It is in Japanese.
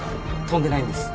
飛んでないんです。